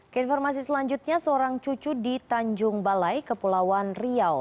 keinformasi selanjutnya seorang cucu di tanjung balai kepulauan riau